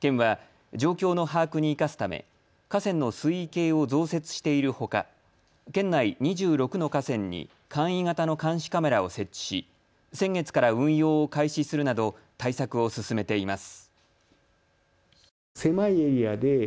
県は状況の把握に生かすため河川の水位計を増設しているほか県内２６の河川に簡易型の監視カメラを設置し先月から運用を開始するなど対策を進めています。